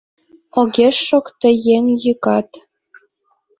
Огеш шокто еҥ йӱкат